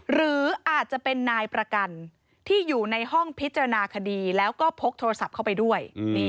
หรืออาจจะเป็นนายประกันที่อยู่ในห้องพิจารณาคดีแล้วก็พกโทรศัพท์เข้าไปด้วย